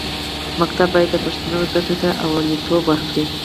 ښوونځي باید د پښتو زده کړې ته لومړیتوب ورکړي.